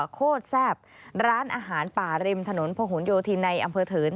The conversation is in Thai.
โคตรแซ่บร้านอาหารป่าริมถนนพะหนโยธินในอำเภอเถิน